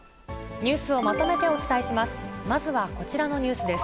ニュースをまとめてお伝えします。